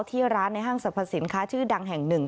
ที่ร้านในห้างสรรพสินค้าชื่อดังแห่งหนึ่ง